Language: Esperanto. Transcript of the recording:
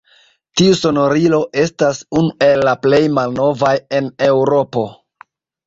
Tiu sonorilo estas unu el la plej malnovaj en Eŭropo.